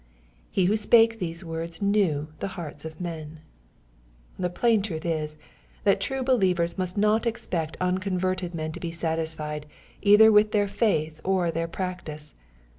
He who spake these words knew the hearts of men. The plain truth is, that true believers must not expect unconverted men to be satisfied, either with their faith or their practice.